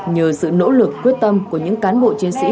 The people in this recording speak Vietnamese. nhờ sự nỗ lực quyết tâm của những cán bộ chiến sĩ